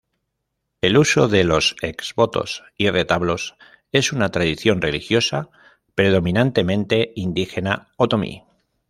El uso de los exvotos y retablos es una tradición religiosa predominantemente indígena otomí.